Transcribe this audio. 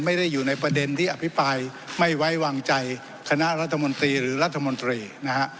ไม่ได้อยู่ในประเด็นที่อภิปรายไม่ไว้วางใจคณะรัฐมนตรีหรือรัฐมนตรีนะฮะ